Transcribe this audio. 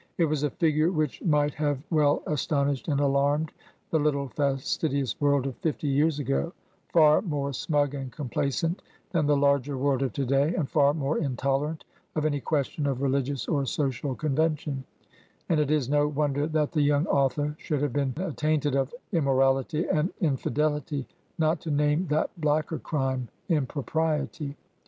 It was a figure which might have well aston ished and alarmed the Uttle fastidious world of fifty years ago, far more smug and complacent than the larger world of to day, and far more intolerant of any question of religious or social convention; and it is no wonder that the young author should have been attainted of immorality and infidelity, not to name that blacker crime, impropriety.